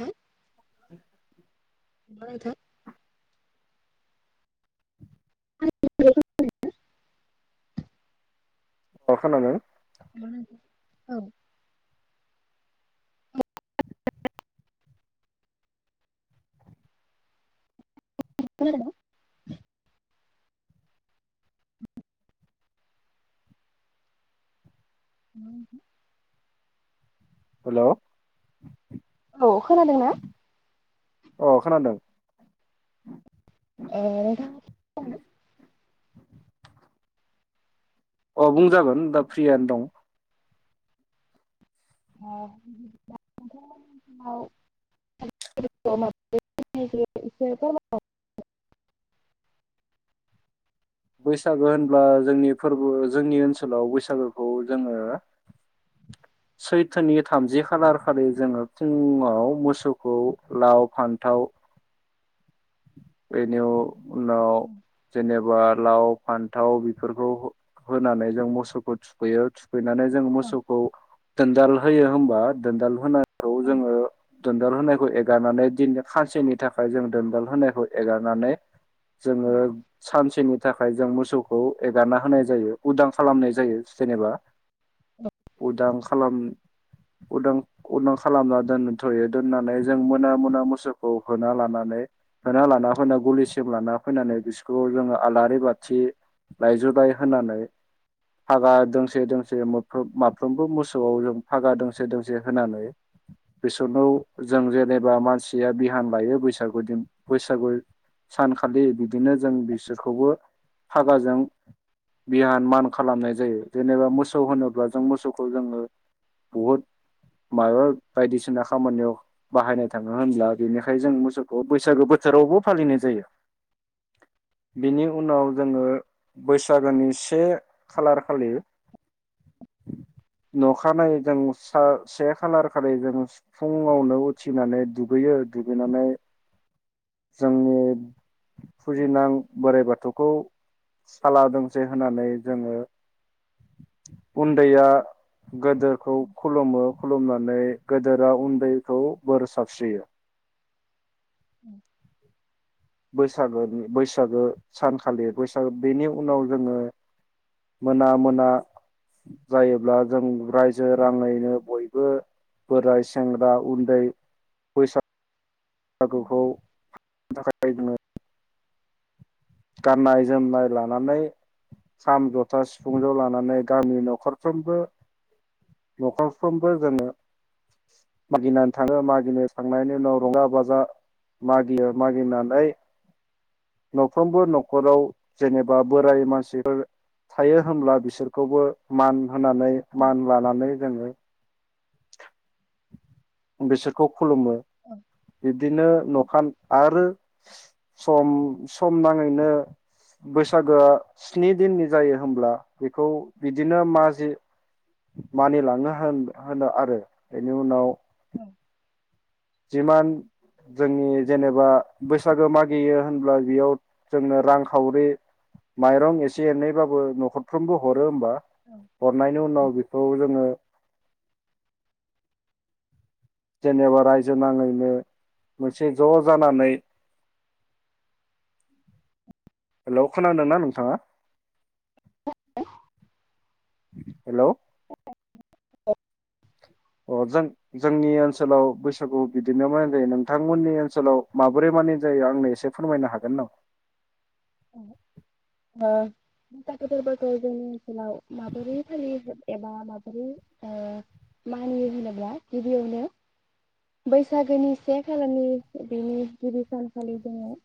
हो बरथ' [unintelligible] अ खोनादों नोंथां औ [unintelligible] हेलौ औ खोनादोंना अ खोनादों औ अ बुंजागोन दा फ्रियानो दं [unintelligible] बैसागो होनब्ला जोंनि फोरबो जोंनि ओनसोलाव बैसागोखौ जोङो सैथोनि थामजि खालार खालि जोङो फुङाव बे [unintelligible] उनाव जेनेबा लाव फान्थाव बेफोरखौ होनानै जों मोसौखौ थुखैयो थुखैनानै जों मोसौखौ दोनदाल होयो होमबा दोनदाल होनानै खौ जोङो दोनदाल होनायखौ एगारनानै दिन खानसेनि थाखाय जों दोनदाल होनायखौ एगारनानै जोङो सानसेनि थाखाय जों मोसौखौ एगारना होनाय जायो उदां खालामनाय जायो जेनेबा उदां खालाम उदां उदां खालामना दोनथ'यो दोननानै जों मोना मोना मोसौखौ होना लानानै होना लाना फैनानै गलिसिम लाना फैनानै बिसोरखौ जोङो आलारि बाथि लायजुलाय होनानै फागा दोंसे दोंसेम माफ्रोमबो मोसौआव जों फागा दोंसे दोंसे होनानै बिसोरनाव जों जेनेबा मानसिया बिहान लायो बैसागु दिन बैसागु सानखालि बिदिनो जों बिसोरखौबो फागाजों बिहान मान खालामनाय जायो जेनेबा मोसौ होनोब्ला जों मोसौखौ जोङो बहुद माबा बायदिसिना खामानियाव बाहायनाय थाङो होनब्ला बेनिखाय जों मोसौखौ बै सागु बोथोरावबो फालिनाय जायो बेनि उनाव जोङो बैसागोनि से खालार खालि नखानाय जों से खालार खालि जों फुङावनो उथिनानै दुगैयो दुगैनानै जोंनि फुजिनां बोराइ बाथौ खौ साला दोंसे होननानै जोङो उन्दैया गोदोरखौ खुलुमो खुलुमनानै नानै गोदोरा उन्दैखौ बोर साबस्रियो उम बैसागोनि बैसागो सानखालि बैसागो बेनि उनाव जोङो मोना मोना जायोब्ला जों रायजो राङैनो बयबो बोराय सेंग्रा उन्दै बैसा गोखौ थाखाय जोङो गाननाय जोमनाय लानानै खाम जथा सिफुं जौ लानानै गामि नखरफ्रबो न'खरफ्रोमबो जोङो मागिनानै थाङो मागिनो थांनायनि उनाव रंजा बाजा मागियो मागिनानै न'फ्रोमबो न'खराव जेनेबा बोराय मानसिफोर थायो होनब्ला बिसोरखौबो मान होनानै मान लानानै जोङो बिसोरखौ खुलुमो बिब्दिनो न'खान आरो सम सम नाङैनो बैसागोआ स्नि दिननि जायो होब्ला बेखौ बिदिनो माजि मानिलांनो होन होनो आरो बेनि उनाव [inaudible] जिमान जोंनि जेनेबा बैसागो मागियो होनब्ला बेयाव जोंनो रांखावरि माइरं एसे एनैबाबो न'खरफ्रोमबो हरो होनबा। हर नायनि उनाव बे औ जोंङो जेनेबा रायजो नाङैनो मोनसे ज' जानानै। हेलौ खोनादोंना नोंथाङा? हेलौ औ। अ जों जोंनि ओनसोलाव बैसागु बिदिनो मानि जायो नोंथांमोननि ओनसोलाव माबोरै मानि जायो आंनो एसे फोरमायनो हागोन नामा? [unintelligible] माबोरै फालि। एबा माबोरैओ मानियो होनोब्ला गिबियावनो बैसागोनि से खालारनि बेनि गिबि सानखालि जोंङो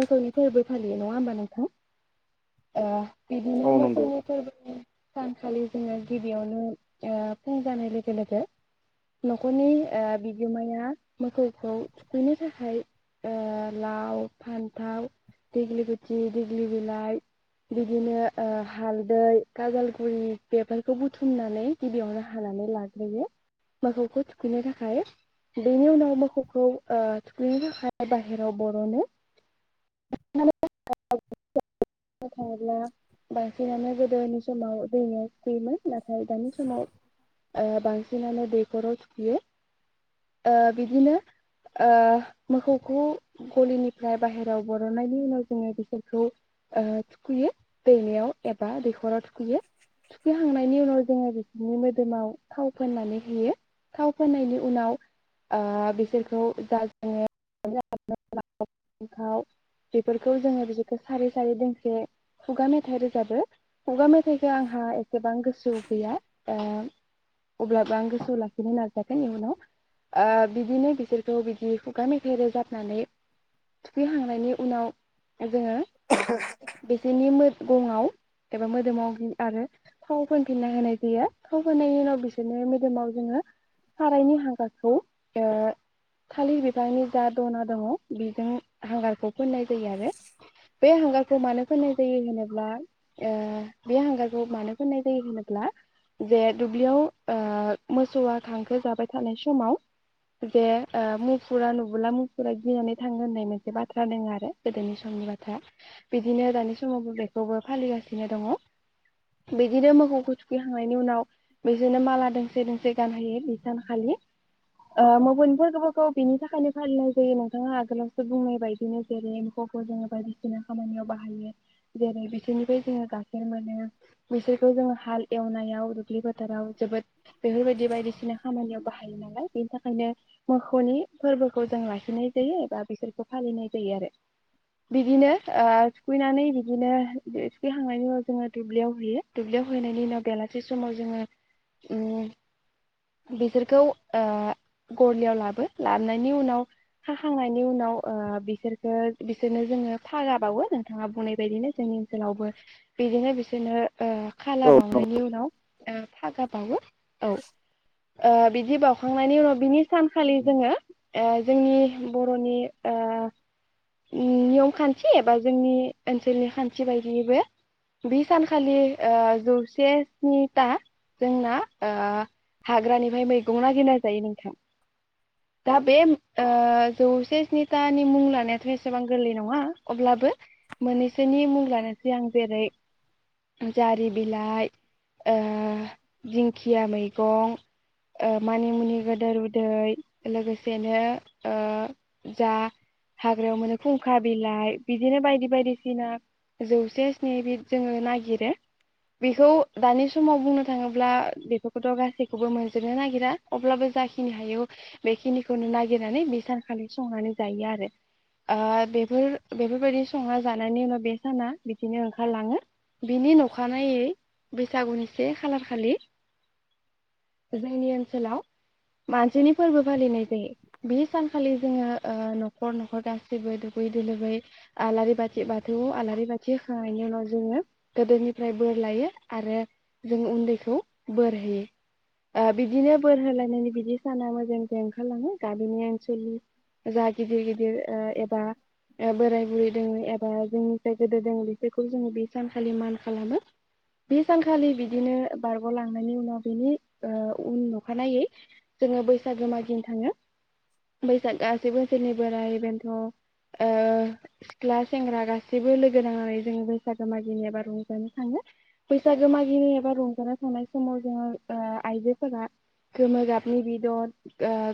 मोसौनि फोरबो। फलियो नङा होमबा नोंथां ओ। बिदिनो औ नंगौ मोसौनि फोरबोखौ। सानखालि जोंङो गिबियावनो ओ फुं जानाय लोगो लोगो न'खरनि बिगोमाया मोसौखौ थुखैनो थाखाय लाव फान्थाव। देग्लि गुथि देग्लि बिलाइ बिदिनो हालदै गाजालगुरि बेफोरखौ बुथुमनानै गिबियावनो हानानै लाग्रोयो मोसौखौ थुखैनो थाखाय बेनि उनाव मोसौखौ थुखैनो थाखाय बाहेराव बर'नो। थाङला बांसिनानो गोदोनि समाव दैम सुखुैयोमोन नाथाय दानि समाव बांसिनानो दैखराव थुखुयो बिदिनो मोसौखौ गलिनिफ्राय बाहेरायाव। बरननायनि उनाव जोंङो बिसोरखौ थुखैयो दैमायाव एबा दैखराव थुखैयो थुखैखांनायनि उनाव जोंङो बिसोरनि मोदोमाव थाव फोननानै होयो थाव फोननायनि उनाव ओ बिसोरखौ जा जोङोव। बेफोरखौ जोङो बिसोरखौ सार सारिै दोंसे खुगा मेथाइ रोजाबो खुगा मेथाइखौ आंहा एसेबां गोसो गैया ओ अब्लाबो आं गोसोआव लाखिनो नाजागोन इयनाव बिदिनो बिसोरखौ बिदि खुगा मेथाइ रोजाबनानै थुखैहांनायनि। उनाव। जोंङो बिसोरनि। गङाव एबा मोदोमाव आरो थाव फोनफिनना होनाय जायो। थाव फोननायनि उनाव बिसोरनो मोदोमाव जोंङो सारायनि हांगारखौ थालिर बिफांनि जा दना दङ बेजों हांगारखौ फोननाय जायो आरो बे हांगाखौ मानो फोननाय जायो। होनोब्ला बे हांगाखौ मानो फोननाय जायो होनोब्ला जे दुब्लियाव मोसौआ खांखो जाबाय थानाय समाव जे मुफुरा नुबोला मुफुरा गिनानै थांङो होननाय मोनसे बाथ्रा। जादों आरो गोदोनि समनि बाथ्रा बिदिनो दानि समावबो बेखौबो फालिगासिनो दङ बिदिनो मोसौ थु खैखांनायनि उनाव बिजोंनो माला दोंसे दोंसे। गानहयो बि सानखालि मुन फोरबोखौ बिनि थाखायनो फालिनाय जायो नोंथाङा आगोलावसो बुंनाय बायदि। बिनो जेरै एम्फौखौ जोंङो बायदिसिना खामानियाव बाहायो जेरै बिसोरनिफ्राय जोंङो गाइखेर मोनो बिसोरखौ जोंङो हाल एवनायाव। दुब्लि फोथाराव जोबोद बेफोरबायदि बायदिसिना खामानियाव बाहायो नालाय बेनि थाखायनो मोसौनि। फोरबोखौ जों लाखिनाय जायो एबा बिसोरखौ फालिनाय जायो। आरो बिदिनो सुखैनानै बिदिनो थुखैखांनायनि उनाव जोंङो दुब्लियाव होयो दुब्लियाव हैनायनि उनाव बेलासि समाव जोंङो बिसोरखौ ओ गरलियाव लाबो लाबोननि उनाव हाखांनायनि उनाव। बिसोरखौ बिसोरनो जोंङो फागाबावो नोंथाङा बुंनाय बायदिनो जोंनि ओनसोलावबो बिदिनो बिसोरनो। ओ खाला बावनायनि उनाव फागा। बावो औ ओ बिदि बावउखांनायनि उनाव बिनि सानखालि जोङो जोंनि बर'नि। नियम खान्थि एबा जोंनि ओनसोलनि खान्थि बायदियैबो बे सानखालि जौसे स्निथा जोंना ओ हाग्रानिफ्राय मैगं नागिरनाय जायो नोंथां दा बे जौसे स्निथानि मुं। लानायाथ' एसेबां गोरलै नङा अब्लाबो मोननैसोनि मुं लानोसै आं जेरै जारि बिलाइ ओ दिंखिया मैगं मानिमुनि गोदोर उदै लोगोसेनो ओ जा हाग्रायाव मोनो खुंखा बिलाइ बिदिनो बायदि बायदिसिना जौसे स्नि बिद जोंङो नागिरो बेखौ दानि समाव बुंनो थाङोब्ला बेफोरखौथ' गासैखौबो मोनजोबनो नागिरा अब्लाबो जाखिनि हायो बेखिनिखौनो नागिरनानै बे सानखालि संनानै जायो आरो। ओ बेफोर बेफोरबायदि सङना जानायनि उनाव बे साना बिदिनो ओंखारलाङो बिनि अखानायै बैसागुनि से खालारखालि जोंनि ओनसोलाव मानसिनि फोरबो फालिनाय जायो बे सानखालि जोंङो ओ। न'खर न'खर गाैबो दुगैयै द लोबै आलारि बाथि बाथौ आलारि बाथि होखांनायनि उनाव जोंङो गोदोनिफ्राय बोर लायो आरो जों उन्दैखौ बोर होयो बिदिनो बोर होलायनायनि बिदि साना मोजां। जों ओखारलाङो गामिनि ओनसोलनि जा। दिर एबा बोराय बुरै दोङ एबा जोंनि जाय गोदो दङ बिसोरखौ जोङो बे सानखालि मान खालामो बे सानखालि बिदिनो बारग'लांनायनि उनाव बिनि उन अखानायै जोङो बैसागो मागिनो थाङो बैसाग गासैबो। जेरै बोराइ बेन्थ' सिख्ला सेंग्रा गासैबो लोगो नांनानै जोङो बैसागो मागिनि एबा रंजानो थाङो बैसागो मागिनि एबा रंजानो थांनाय समाव जोङो आइजोफोरा गोमो गाबनि बिदन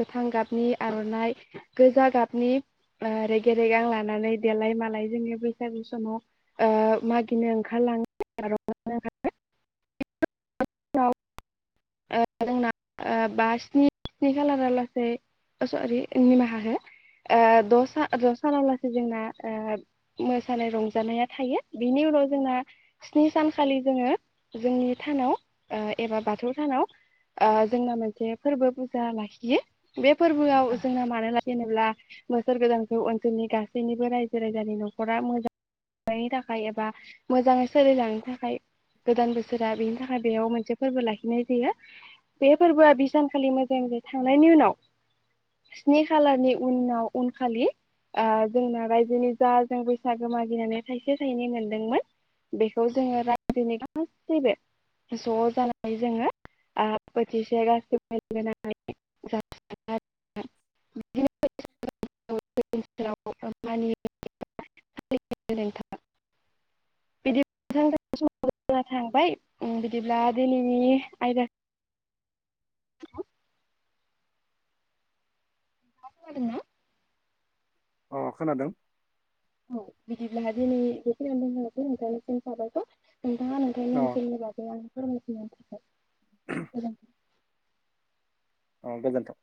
गोथां गाबनि आर'नाइ गोजा गाबनि रेगे रेगां लानानै देलाय मालाय जोङो बैसागु समाव मागिनो ओंखारलाङो रंजानो ह जोंना बा स्नि स्नि खालारा लासै सरि निमाहा हो द द' साना लासै जोंना मोसानाय रंजानाया थायो बिनि उनाव जोंना स्नि सानखालि जोंङो जोंनि थानाव एबा बाथौ सानाव जोंना मोनसे फोरबो फुजा लाखियो बे फोरबोआव जोंना मानोना बोसोर गोदानखौ ओनसोलनि गासैनिबो रायजो राजानि न'खरा मोजां नायनि थाखाय एबा मोजाङै सोलिलांनो थाखाय गोदान बोसोरा बेनि थाखाय बेयाव मोनसे फोरबो लाखिनाय जायो बे फोरबोआ बिसानखालि मोजां जे थांनायनि उनाव स्नि खालारनि उनाव उनखालि जोंना रायजोनि जा जों बैसागु मागिनानै थाइसे थाइनै मोनदोंमोन बेखौ जोंङो रायजोनि गासैबो ज' जानानै जोंङो बोथिसे गासैबो [unintelligible] [unintelligible] [unintelligible] [unintelligible] नोंथांआ खोनादोंना अ खोनादों औ बिदिब्ला दिनै बे खिनियावनो दोनथनिसै नोंथांनिसिम साबायखर नोंथाङा नोंथांनि अ ओनसोलनि बागै आं [unintelligible] औ गोजोनथों